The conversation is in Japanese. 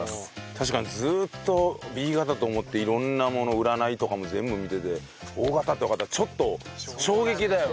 確かにずーっとＢ型だと思って色んなもの占いとかも全部見ててＯ型ってわかったらちょっと衝撃だよね。